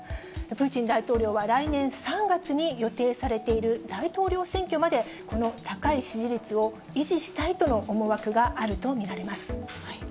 プーチン大統領は来年３月に予定されている大統領選挙まで、この高い支持率を維持したいとの思惑があると見られます。